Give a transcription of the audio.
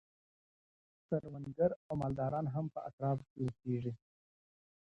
کروندګر او مالداران هم په اطرافو کي اوسیږي.